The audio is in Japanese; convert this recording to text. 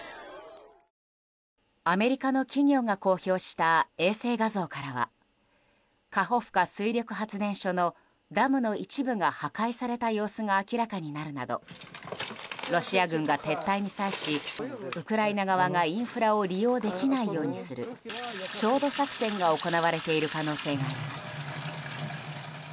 アメリカの企業が公表した衛星画像からはカホフカ水力発電所のダムの一部が破壊された様子が明らかになるなどロシア軍が撤退に際しウクライナ側が、インフラを利用できないようにする焦土作戦が行わている可能性があります。